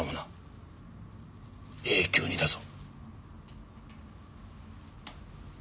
永久にだぞ。